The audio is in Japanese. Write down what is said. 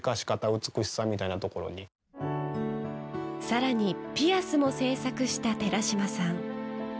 さらにピアスも製作した寺島さん。